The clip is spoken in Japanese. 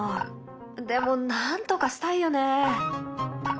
でもなんとかしたいよね。